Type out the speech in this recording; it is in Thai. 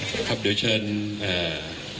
คุณผู้ชมไปฟังผู้ว่ารัฐกาลจังหวัดเชียงรายแถลงตอนนี้ค่ะ